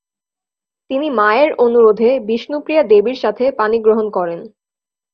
তিনি মায়ের অনুরোধে বিষ্ণুপ্রিয়া দেবীর সাথে পাণিগ্রহণ করেন।